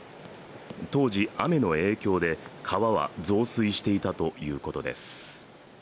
当時、雨の影響で川は増水していたということです。